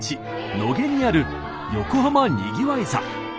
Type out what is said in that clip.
野毛にある横浜にぎわい座。